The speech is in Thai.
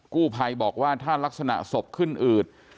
กู้ภัยบอกว่าถ้ารักษณะศพขึ้นอืด